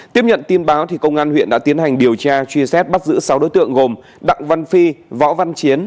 tiếp nhận tin báo công an huyện đã tiến hành điều tra truy xét bắt giữ sáu đối tượng gồm đặng văn phi võ văn chiến